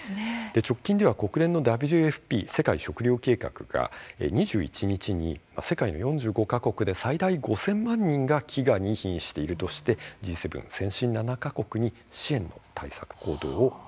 直近では国連のＷＦＰ＝世界食糧計画が２１日に世界の４５か国で最大５０００万人が飢餓にひんしているとしてＧ７先進７か国に支援の対策行動を要請したんです。